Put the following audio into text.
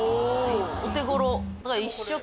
お手頃。